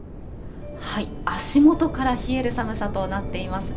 足元から冷える寒さとなっていますね。